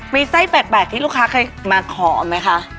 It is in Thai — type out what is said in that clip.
มีไส้โบราณแตกลูกค้าเคยมาขอมั้ยคะ